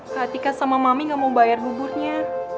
ketika sama mami gak mau bayar buburnya